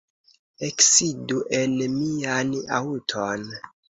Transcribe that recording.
Eksidu en mian aŭton.